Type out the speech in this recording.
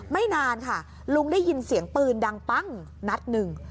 นานค่ะลุงได้ยินเสียงปืนดังปั้งนัดหนึ่ง